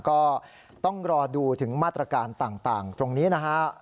ก็ต้องรอดูถึงมาตรการต่างตรงนี้นะฮะ